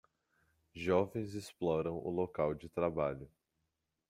Jovens exploram o local de trabalho